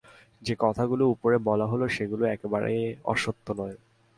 যে কথাগুলো ওপরে বলা হলো, সেগুলো একেবারে অসত্য নয়।